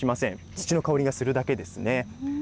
土の香りがするだけですね。